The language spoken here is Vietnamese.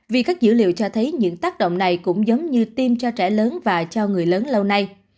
vì các dữ liệu cho thấy những tác động này cũng giống như tim cho trẻ lớn và cho người lớn lâu nay